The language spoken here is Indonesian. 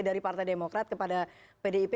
dari partai demokrat kepada pdip